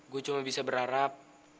gue cuma bisa berharap